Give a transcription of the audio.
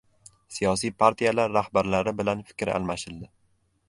Siyosiy partiyalar rahbarlari bilan fikr almashildi